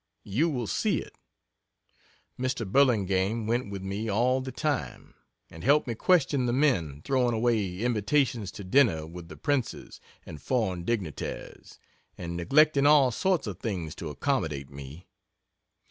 You will see it. Mr. Burlingame went with me all the time, and helped me question the men throwing away invitations to dinner with the princes and foreign dignitaries, and neglecting all sorts of things to accommodate me.